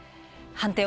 判定